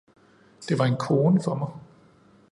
Det var en kone for mig!